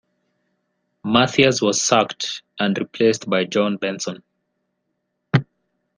Mathias was sacked, and replaced by John Benson.